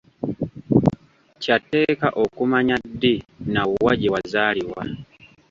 Kya tteeka okumanya ddi na wa gye wazaalibwa.